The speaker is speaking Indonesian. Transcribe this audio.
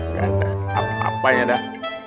gak ada apa apanya dah